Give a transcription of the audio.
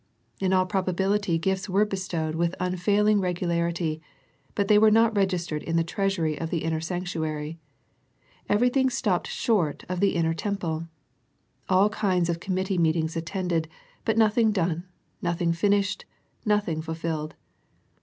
In all probability gifts were bestowed with unfail ing regularity, but they were not registered in the treasury of the inner sanctuary. Every thing stopped short of the inner temple. All kinds of Committee meetings attended, but nothing done, nothing finished, nothing ful filled.